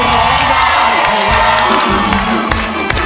ร้องได้ร้องได้